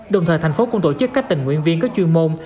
đồng thời thành phố cũng tổ chức các tình nguyện viên có chuyên môn